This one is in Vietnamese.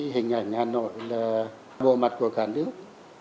hình ảnh hà nội là bộ mặt của cả nước